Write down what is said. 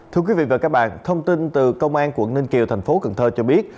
thưa quý vị và các bạn thông tin từ công an quận ninh kiều thành phố cần thơ cho biết